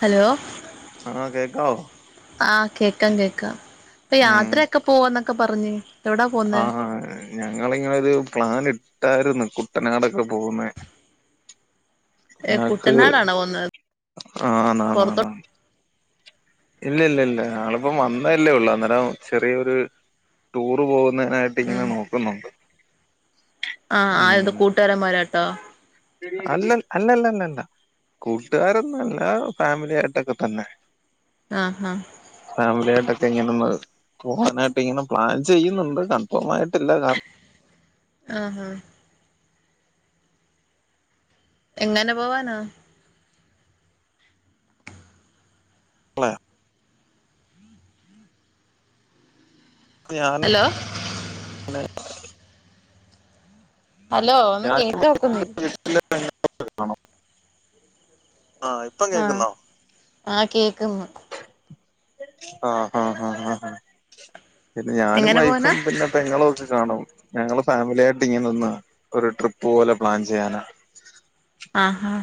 Hello ആഹ് കേക്കാവോ ആഹ് കേക്കാം കേക്കാം ഇപ്പൊ ഉം യാത്രൊക്കെ പോവാന്നൊക്കെ പറഞ്ഞ് എവിടാ പോന്നേ ആഹ് ഞങ്ങളിങ്ങനൊരു പ്ലാൻ ഇട്ടായിരുന്നു കുട്ടനാടൊക്കെ പോകുന്നെ ഏഹ് അത് കുട്ടനാടാണോ പോന്നത് പൊറത്തോ ആന്നാന്നാന്ന് ഇലില്ലില്ല ആളിപ്പം വന്നല്ലേ ഉള്ളൂ അന്നേരം ചെറിയൊരു ടൂറ് പോകുന്നേനായിട്ടി ഉം ങ്ങനെ നോക്കുന്നുണ്ട്. ആഹ് ആരിത് ഉം കൂട്ടാരന്മാരായ്ട്ടോ? അല്ല അല്ലല്ലല്ല കൂട്ടുകാരൊന്നല്ല ഫാമിലി ആയിട്ടൊക്കെ തന്നെ. ആഹ് ആഹ് ഫാമിലി ആയിട്ടൊക്കെ ഇങ്ങനൊന്ന് പോകാനായിട്ട് ഇങ്ങനെ പ്ലാൻ ചെയ്യുന്നുണ്ട് കൺഫോം ആയിട്ടില്ല കാരണം ആഹ് ഹാ എങ്ങനെ പോവാനാ? [unintelligible] [unintelligible] ഹലോ ഹലോ ഒന്നും കേക്കഒക്കുന്നില്ല. [unintelligible] ആ ഇപ്പം കേക്കുന്നോ? ആ കേക്ക്ന്ന്. ആഹ ആഹ് ആഹ് ആഹ് ഹ പിന്നെ ഞാനും എങ്ങനെ പോവാനാ വൈഫും പിന്നെ പെങ്ങളും ഒ ക്കെ കാണും ഞങ്ങള് ഫാമിലിയായിട്ട് ഇങ്ങനെ ഒന്ന് ഒരു ട്രിപ്പ് പോലെ പ്ലാൻ ചെയ്യാന ആഹ് ഹാ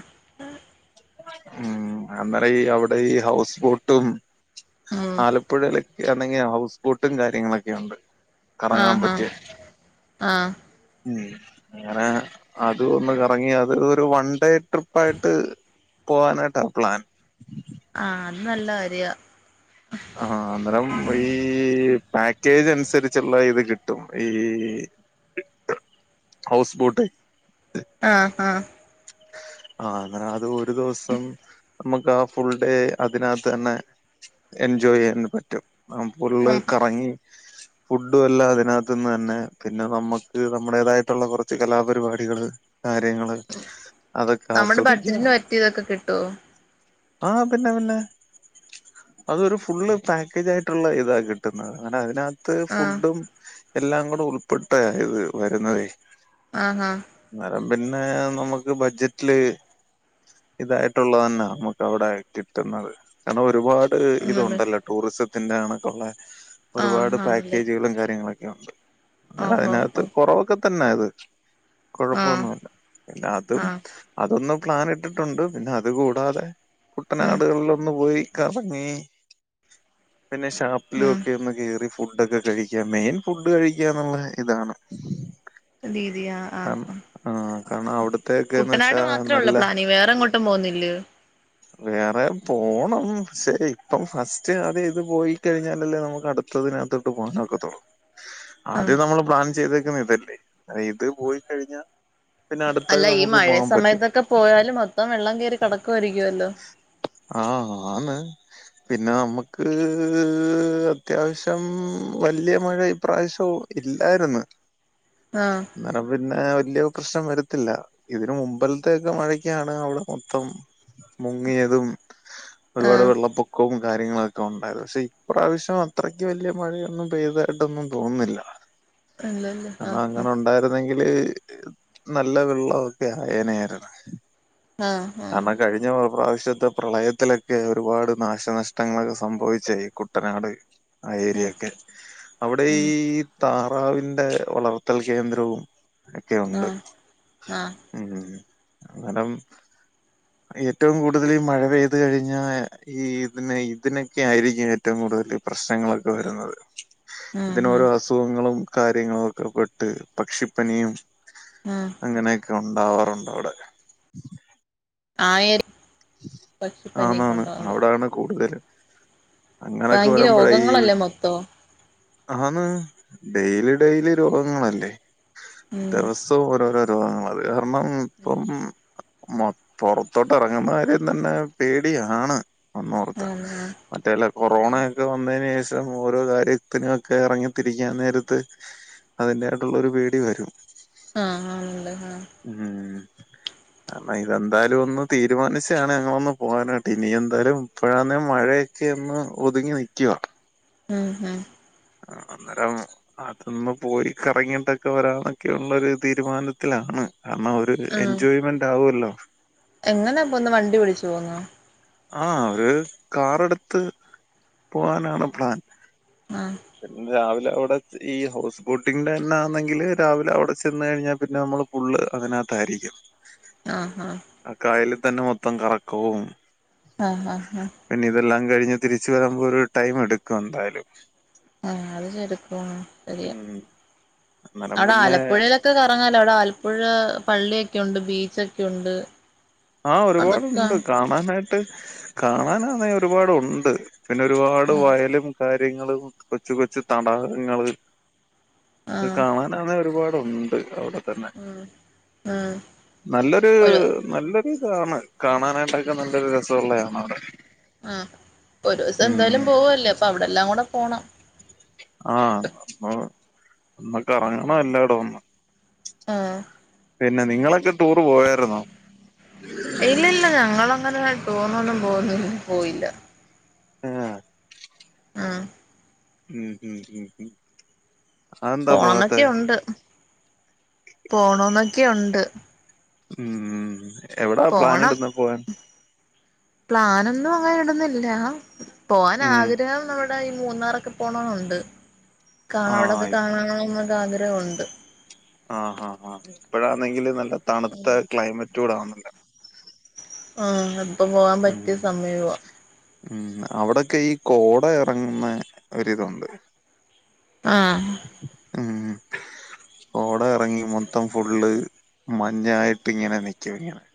ഉം അന്നേരം ഈ അവിടെ ഈ ഹൗസ് ബോട്ടും ഉം ആലപ്പുഴയില് ലാണെങ്കിൽ ഹൗസ് ബോട്ടും കാര്യങ്ങളൊക്കെയുണ്ട് കറങ്ങാൻ ആഹ് ആഹ് പറ്റിയ ആഹ് ഉം അങ്ങനെ അതു ഒന്ന് കറങ്ങി അത് ഒരു വൺ ഡേ ട്രിപ്പായിട്ട് പോവാനായിട്ടാ പ്ലാൻ. ആഹ് അത് നല്ലകാര്യാ. ആഹ് അന്നേരം ഈ പാക്കേജ് അനുസരിച്ചുള്ള ഇത് കിട്ടും ഈ [inaudible] ഹൗസ് ബോട്ടേ ആഹ് ആഹ് ആഹ് അങ്ങനെ അത് ഒരു ദിവസം മ്മക്ക് ആ ഫുൾ ഡേ അതിനാത്ത് തന്നെ എൻജോയ് ചെയ്യാൻ പറ്റും. ഫുള്ള് നം കറങ്ങി [inaudible] ഫുഡും എല്ലാ അതിനകത്തുന്ന് തന്നെ പിന്നെ നമ്മുക്ക് നമ്മുടേതായിട്ടുള്ള കുറച്ച് കലാപരിപാടികള് കാര്യങ്ങള് അതൊക്കെ നമ്മുടെ ആസ്വദിക്കാം. ബഡ്ജറ്റിന് പറ്റിയതൊക്കെ കിട്ടോ ആഹ് പിന്നെ പിന്നെ അതൊരു ഫുള് പാക്കേജ് ആയിട്ടുള്ള ഇതാ കിട്ടുന്നത് അങ്ങനെ അതിനക ത്ത് ആഹ് ഫുഡും എല്ലാം കൂടെ ഉൾപ്പെട്ടയ ഇത് വരുന്നതേ ആഹ് ആഹ് അന്നേരം പിന്നെ നമുക്ക് ക്ക് ബഡ്ജറ്റില് ഇതായിട്ടുള്ളതന്ന നമുക്ക് അവിടെ കിട്ടുന്നത്. കാരണം ഒരുപാട് ഇത് ആഹ് ഒണ്ടല്ലോ ടൂറിസത്തിന്റെ കണക്കൊള്ളെ ആഹ് ഒരുപാട് ആണല്ലേ പാക്കേജുകളും കാര്യങ്ങളൊക്കെ ഉണ്ട് അന്നരം ഓഹോ ഓ അതിനകത്ത് കുറവൊക്കെ തന്നാ ഇത് ആഹ് കുഴപ്പൊന്നുല്ല പിന്നെ അതും ആഹ് അതൊന്ന് പ്ലാൻ ഇട്ടിട്ടുണ്ട് പിന്നെ അത് കൂടാതെ ഉം കുട്ടനാടുകളിലൊന്നു പോയി കറങ്ങി പിന്നെ ഷാപ്പിലും ഉം ഒക്കെ ഒന്ന് കേറി ഫുഡൊക്കെ കഴിക്ക മെയിൻ ഫുഡ് കഴിക്കാന്നുള്ള ഇതാണ്.. രീതി ആ കാരണം ആഹ്. ആ കരണം അവിട്... കുട്ടനാട് മാത്രേഒള്ളു പ്ലാനി വേറെങ്ങോട്ടും പോന്നില്ലോ? വേറെ പോണം പഷേ ഇപ്പം ഫസ്റ്റ് അത് ഇത് പോയി കഴിഞ്ഞാലല്ലേ നമുക്ക് അടുത്ത്.. ത്തതിനകതൊട്ട് പൊവാനൊക്കെത്തോള്ളു. ആഹ് ആദ്യം നമ്മള് പ്ലാൻ ചെയ്തേക്കു ന്നെ ഇതല്ലേ ഇത് പോയി കഴിഞ്ഞ പിന്നെ അടു.. അല്ല ഈ മഴ സമയത്തൊക്കെ പോയാല് മൊത്തം വെള്ളം കെറി കെടക്കുവായിരിക്കുല്ലോ.. ആ ആ ആന്ന്.. പിന്നെ നമ്മക്ക് അത്യാവശ്യം വല്ല്യ മഴ ഇപ്രാവശ്യവു.. ഇല്ലാര്ന്ന്.. ആഹ് ഇന്നലെ പിന്നെ വല്ല്യ പ്രശ്നം വരത്തില്ല.. ഇതിന് മുമ്പൽത്തെക്കെ മഴക്കാണ് അവിടെ മൊത്തം മുങ്ങിയതും.. ഒരുപാട് ആഹ് വെള്ളപ്പൊ ക്കവും കാര്യങ്ങളൊക്കെ ഉണ്ടായത് പഷേ ഇ പ്രാവശ്യം അത്രയ്ക്ക് വല്ല്യ മഴയൊന്നും പെയ്തായിട്ടൊന്നും തോന്നുന്നില്ല.. അല്ലല്ല കാരണം ആഹ് അങ്ങനെ ഉണ്ടായിരുന്നെങ്കില്.. നല്ല വെള്ളവൊക്കെ അയനെന്നേരം... ആഹഹ. കഴിഞ്ഞ പൊ പ്രാവശ്യത്തെ.. പ്രളയത്തിലൊക്കെ ഒരുപാട് നാശനഷ്ടങ്ങളൊക്കെ സംഭവിച്ചേ ഈ കുട്ടനാട്.. ആ ഏരിയൊക്കെ, അവിടെ ഉം ഉം ഈ.. താറാവിന്റെ വളർത്തൽ കേന്ദ്രവും ഒക്കെയുണ്ട്. ആഹ് ആഹ് മ്മ്ഹ്. അങ്ങനം.. ഏറ്റവും കൂടുതല് ഈ മഴ പെയ്ത് കഴിഞ്ഞാ.. ഈ ഇതി ഇതിനൊക്കെ ആയിരിക്കും ഏറ്റവും കൂടുതൽ പ്രശ്നങ്ങളൊക്കെ വരുന്നത്.. ഉം ഉം ഇതിനോരോ അസുഖങ്ങളും കാര്യങ്ങളും ഒക്കെ പെട്ട് പക്ഷിപ്പനിയും.. ഉം അങ്ങനെയൊക്കെ ഉണ്ടാവാറുണ്ട് അവിടെ.. ആയര് പക്ഷിപ്പനി ക്കുണ്ടാകും.. ക്കാണ് കൂടുതല് അങ്ങനൊക്കെ ഭയങ്കര വരുമ്പോഴ ഈ.. രോഗങ്ങളല്ലേ മൊത്തം ആന്ന് ഡെയിലി ഡെയിലി രോഗങ്ങളല്ലേ ഉം ദിവസ്. ഓരോരോ രോഗങ്ങളാവരാ. കരണം ഇപ്പം മൊ പൊറത്തോട്ട് എറങ്ങ്ന്ന കാ ര്യംത്തന്നെ പേടിയാണ് ഒന്നോർത്ത.. ആഹ് ആഹ് മറ്റേല്ല കൊറോണ ഒക്കെ വന്നയിന് ശേഷം ഓരോ കാര്യത്തിനൊക്കെ എറങ്ങിത്തിരിക്കാൻ നേരത്ത്.. അതി്ന്റെ ആയിട്ടുള്ള ഒരു പേടി വരും.. ആ ആ. ള്ള് ആഹ.. മ്മ്ഹ്... കരണം ഇതെന്തായാലും ഒന്ന് തീരുമാനിച്ചാണ് ഞങ്ങളൊന്ന് പോവാനായിട്ട്. ഇനി എന്തായാലും ഇപ്പഴാന്ന് മഴ ക്കെ ഒന്ന് ഒതുങ്ങി നിക്യുവാ. മ്മ് മ്മ്... ആ അന്നേരം.. അതന്ന് പോയി കറങ്ങിട്ടൊക്കെ വരാനൊക്കെള്ളരു തീരുമാനത്തിലാണ് കരണം ഓര്. A enjoyment ആവല്ലോ. എങ്ങനെയപോവ്ന്നേ വണ്ടി വിളിച്ചു പോവ്ന്നൊ. ആ അവര് കാറെടുത്ത് പോവാനാണ് പ്ലാൻ.. ആ... പിന്നെ രാവിലെ അവിടെ ഈ ഹൗസ് ബോട്ടിങ്ങിന്റെന്നെ ആന്നെങ്കില് രാവിലെ അവിടെ ചെന്നഴിഞ്ഞാൽ പിന്നെ നമ്മൾ.. ഫുള്ള് അതിനകത്തായിരിക്കും ആഹ് ആഹ് ആഹ് കായലിൽ തന്നെ മൊത്തം കറക്കവും ആഹ് ആഹ് ആഹ് പിന്നെ ഇതെല്ലാം കഴിഞ്ഞ് തിരിച്ചു വരുമ്പോ ഒരു ടൈം എടുക്കും എന്തായാലും ആഹ് അത് ശെടുക്കും ശരിയ ഉം അന്നേരം അവിടെ പിന്നെ ആലപ്പുഴയിലൊക്കെ കറങ്ങാലോ അവിടെ പുഴ പള്ളിയൊക്കെയുണ്ട് ബീച്ചൊക്കെയുണ്ട് ആഹ് ഒരുപാടുണ്ട് കാണാനായിട്ട് കാണാനാന്നേ ഒരുപാടുണ്ട് പിന്നെ ഒരുപാട് ആഹ് വയലും കാര്യങ്ങളും കൊച്ചു കൊച്ചു തടാകങ്ങള് ആഹ് കാണാനാന്നേ ഒരുപാടുണ്ട് അവിടെ തന്നെ ഉം ഉം നല്ലൊരു ഒരു നല്ലൊരു കാണ കാണാനായിട്ടൊക്കെ നല്ലൊരു രസമുള്ളതാണ് അവിടെ ആഹ് ഒരൂസം എന്തായാലും ഉം പോവല്ലേ അപ്പം അവിടെ എല്ലാം കൂടെ പോണം ആഹ് അപ്പൊ ന്നിട്ട് ഇറങ്ങണം എല്ലാടം ഒന്ന് ആഹ് പിന്നെ നിങ്ങളൊക്കെ ടൂറ് പോയാരുന്നോ ഇല്ല ഇല്ല ഞങ്ങളങ്ങനെ ടൂറിന്നൊന്നും പോവന്നു പോയില്ല ഉം ഉം ഉം ഉം ഉം ഉം അതെന്താ പോവാത്തെ പോണംന്നൊക്കെ ഉണ്ട് പോണന്നൊക്കെ ഉണ്ട് ഉം എവിടാ പ്ലാൻ പോണം ഇടുന്നേ പോവാൻ പ്ലാനൊന്നും അങ്ങന ഇടുന്നില്ല പോവാൻ ഉം ആഗ്രഹം നമ്മ ഇടെ ഈ മൂന്നാറൊക്കെ പോണന്നുണ്ട് കാണ ആഹ് അവിടെക്കെ കാണണോ എന്നൊക്കെ ആഗ്രഹമുണ്ട് ആഹ് ആഹ് ആഹ് ഇപ്പഴാണെങ്കില് നല്ല തണുത്ത ക്ലൈമറ്റ് കൂട ആണല്ലോ ആഹ് അപ്പ പോവാൻ പറ്റിയ ഉം സമയവാ ഉം അവിടൊക്കെ ഈ കോട ഇറങ്ങുന്ന ഒരിതുണ്ട് ആഹ് ഉം കോട എറങ്ങി മൊത്തം ഫുള്ള് മഞ്ഞായിട്ട് ഇങ്ങനെ നിക്കും ഇങ്ങനെ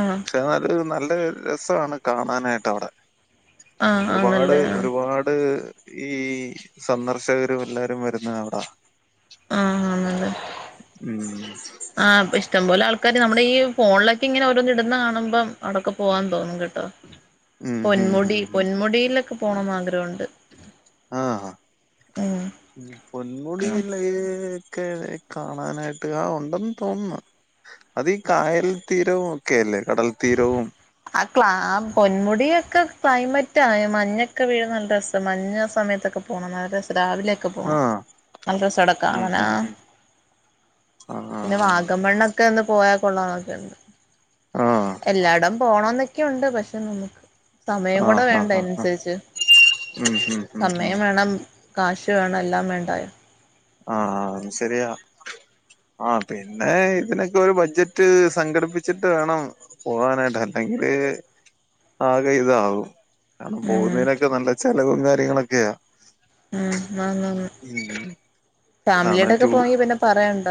ആഹ് പക്ഷെത് നല്ല നല്ല രസമാണ് കാണാനായിട്ട് അവിടെ ആഹ് ഒരുപാട് ആന്നല്ലേ ആഹ് ഒരുപാട് ഈ സന്ദർശകരും എല്ലാരും വരുന്ന അവിടാ ആഹ് ആന്നല്ലേ ഉം ആഹ് ഇഷ്ടംപോലെ ആൾക്കാര് നമ്മുടെ ഈ ഫോണിലക്കെ ഇങ്ങനെ ഓരോന്ന് ഇടുന്നേ കാണുമ്പം അവിടക്കെ പോവാൻ തോന്നും കേട്ടോ ഉം ഉം ഉം പൊന്മുടി ഉം പൊന്മുടിയിലൊക്കെ പോണംന്ന് ആഗ്രഹുണ്ട് ആഹ് പൊന്മുടി ഉം പിന്നേക്കെ കാണാനായിട്ട് ആഹ് ഉണ്ടെന്ന് തോന്നുന്നു അതി കായൽ തീരവും ഒക്കെല്ലേ കടൽത്തീരവും ആഹ് ക്ലാ ആഹ് പൊന്മുടിയൊക്കെ ക്ലൈമറ്റ മഞ്ഞൊക്കെ വീഴുന്ന നല്ല രസം മഞ്ഞ സമയത്തൊക്കെ പോണം നല്ല രസ രാവിലൊക്കെ പോണം ആഹ് നല്ല രസോട ഉം കാണാനാ ഉം ഉം ആഹ് പിന്നെ വാഗമണ്ണൊക്കെ ഒന്ന് പോയാൽ കൊള്ളാം എന്നൊക്കെയുണ്ട് ആഹ് എല്ലായിടം പോണംന്നൊക്കെയുണ്ട് പക്ഷെ നമുക്ക് സമയം കൂടെ ആഹ് വേണ്ടേ ആഹ് ആഹ് ആഹ് അനുസരിച്ച് ഉം ഉം ഉം ഉം സമയം വേണം കാശ് വേണം എല്ലാം വേണ്ടായോ ആഹ് ആഹ് ശരിയാ ആഹ് പിന്നെ ഇതിനൊക്കെ ഒരു ബഡ്ജറ്റ് സംഘടിപ്പിച്ചിട്ട് വേണം പോവാനായിട്ട് അല്ലെങ്കില് ആകെ ഇതാവും കാരണം ഉം പോകുന്നതിനൊക്കെ നല്ല ചെലവും കാര്യങ്ങളൊക്കെയാ ആഹ് ആന്നാന്ന് ഉം ആണ് ഫാമിലിയുടൊക്കെ ടു പോയി പിന്നെ പറയണ്ട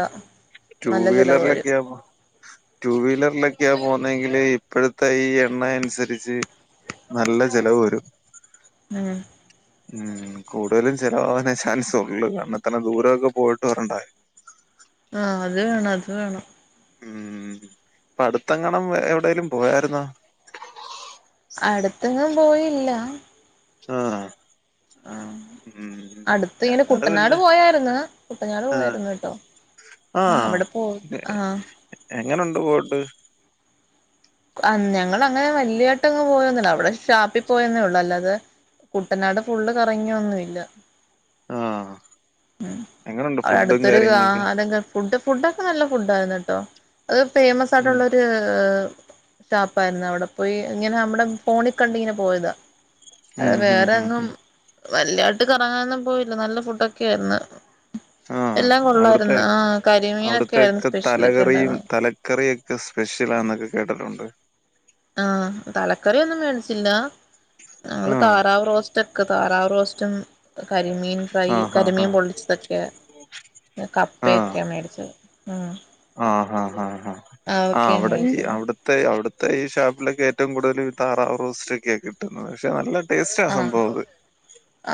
ടു നല്ല ചെലവ് വരും വീലറിലൊക്കെയാമ്മൊ ടു വീലറിലൊക്കെയാ പോന്നേങ്കില് ഇപ്പഴത്തെ ഈ എണ്ണയനുസരിച്ച് നല്ല ചെലവ് വരും ആഹ് ഉം കൂടുതലും ചെലവാവാനേ ചാൻസൊള്ളൂ കാരണം ഇത്രേം ദൂരൊക്കെ പോയിട്ട് വരണ്ടായോ ആഹ് അത് വേണം അത് വേണം ഉം ഇപ്പ അടുത്തെങ്ങാനും എവിടേലും പോയാരുന്നോ അടുത്തെങ്ങും പോയില്ല ആഹ് ആഹ് ഉം അടുത്തിങ്ങനെ ഞങ്ങള് കുട്ടനാട് പിന്നെ പോയാരുന്നു കുട്ടനാട് ആഹ് പോയാരുന്നു കേട്ടോ ആഹ് അവിടെ പോയിട്ട് ആഹ് എങ്ങനൊണ്ട് പോയിട്ട് അൻ ഞങ്ങളങ്ങനെ വലിയായിട്ട്ങ്ങ് പോയൊന്നില്ല അവിടെ ഷാപ്പി പോയന്നേ ഒള്ളു അല്ലാതെ കുട്ടനാട് ഫുള്ള് കറങ്ങിയൊന്നുല്ല ആഹ് ഉം എങ്ങനുണ്ട് ഫുഡും അവടുത്തൊരു കാര്യങ്ങളൊക്കെ [unintelligible] ഫുഡ് ഫുഡൊക്കെ നല്ല ഫുഡാരുന്നു ട്ടോ അത് ഫേമസ് ഉം ആയിട്ടുള്ളൊരു ഷാപ്പാരുന്നു അവിടെ പോയി ഇങ്ങനെ നമ്മടെ ഫോണിൽ കണ്ടിങ്ങനെ പോയതാ അതെ ഉം ഉം ഉം വേറെങ്ങും ഉം വല്ല്യായിട്ട് കറങ്ങാനൊന്നും പോയില്ല നല്ല ഫുഡൊക്കെയാരുന്നു ആഹ് എല്ലാം കൊള്ളാരുന്നു അവിടുത്തെ ആ കരിമീനൊക്കെ ആരുന്നു സ്പെഷ്യലൊക്കെ ഒണ്ടാരുന്നെ കറിയൊക്കെ സ്പെഷ്യലാന്നൊക്കെ കേട്ടിട്ടൊണ്ട് ആഹ് തലക്കറിയൊന്നും മേടിച്ചില്ല ഞങ്ങള് ആഹ് താറാവ് റോസ്റ്റൊക്കെ താറാവ് റോസ്റ്റും കരിമീൻ ഫ്രൈ ആഹ് ആഹ് കരിമീൻ ആഹ് പൊള്ളിച്ചതൊക്കെ ആഹ് കപ്പയൊക്കെയാ മേടിച്ചത് ഉം ആഹ് ഹാ ഹാ ഹാ ആഹ് അതൊക്കെയാ അവിടെത്തി മേടിച്ചത് അവിട ത്തെ അവിടുത്തെ ഈ ഷാപ്പിലൊക്കെ ഏറ്റവും കൂടുതല് താറാവ് റോസ്റ്റൊക്കെയാ കിട്ടുന്നത് പക്ഷെ നല്ല ടേസ്റ്റാ ആഹ് സംഭവത്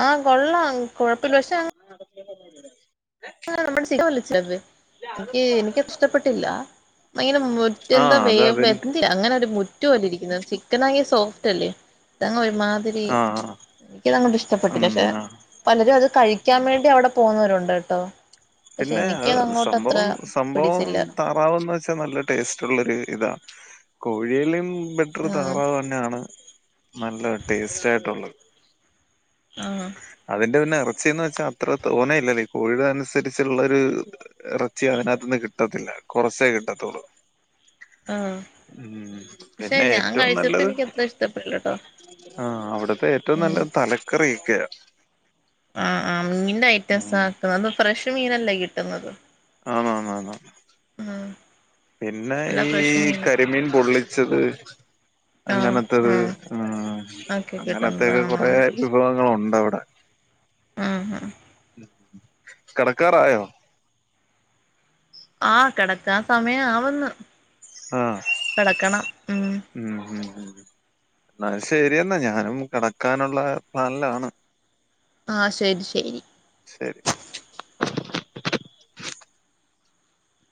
ആഹ് കൊള്ളാം കുഴപ്പില്ല പക്ഷെ [unintelligible] [unintelligible] എനിക്ക് എനിക്കതിഷ്ടപ്പെട്ടില്ല ഭയങ്കര [unintelligible] എന്താ ആഹ് വേ അത് അതിൻ വെന്തില്ല അങ്ങനെ ഒരു മുറ്റു പോലിരിക്കുന്നത് ചിക്കൻ ആങ്കി സോഫ്റ്റല്ലേ ഇതങ്ങ് ഒരുമാതിരി ആഹ് എനിക്കതങ്ങോട്ടിഷ്ടപ്പെട്ടില്ല ഉം പക്ഷെ ആഹ് പലരും അത് കഴിക്കാൻ വേണ്ടി അവിടെ പോന്നവരുണ്ട് ട്ടോ പിന്നെ അത് സംഭവം സംഭവം പിടിച്ചില്ല ത റാവെന്ന് വെച്ചാ നല്ല ടേസ്റ്റൊള്ളൊരു ഇതാ കോഴിലും ബെറ്ററ് ആഹ് താറാവ് തന്നെയാണ് നല്ല ടേസ്റ്റായിട്ടൊള്ളെ ആഹ് അതിന്റെ പിന്നെ എറച്ചീന്ന് വെച്ചാ അത്ര തോനയില്ലല്ലോ ഈ കോഴീട് അനുസരിച്ചുള്ളൊരു എറച്ചി അതിനാത്തൂന്ന് കിട്ടത്തില്ല കൊറച്ചേ കിട്ടത്തൊള്ളൂ ആഹ് ഉം പക്ഷെ പിന്നെ ഞാൻ ഏറ്റവും കഴിച്ചപ്പോ നല്ലത് എനിക്ക് അത്ര ഇഷ്ടപ്പെട്ടില്ലട്ടോ ആഹ് അവിടത്തെ ഏറ്റവും ഉം നല്ലത് തലക്കറിയിക്കെയാ ആഹ് ആഹ് മീൻന്റെ ഐറ്റംസാട്ടോ അതും ഫ്രഷ് മീനല്ലേ കിട്ടുന്നത് ആന്നാന്നാന്ന് ഉം പിന്നെ എല്ലാം ഈ ഫ്രഷ് മീന് കരിമീൻ പൊള്ളിച്ചത് ആഹ് അങ്ങനത്തത് ആഹ് ആഹ് ഒക്കെ അങ്ങനത്തക്കെ കൊറേ കിട്ടുന്നതാണാണ് വിഭവങ്ങളുണ്ടവിടെ ആഹ് ആഹ് കെടക്കാറായോ? ആഹ് കിടക്കാ സമയം ആവന്ന് ആഹ് ഉം ഉം ഉം എന്ന ശരിയെന്നാ ഞാനും കിടക്കാനുള്ള പ്ലാനിലാണ് ആഹ് ശെരി ശെരി ശെരി